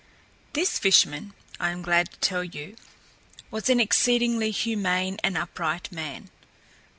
This fisherman, I am glad to tell you, was an exceedingly humane and upright man.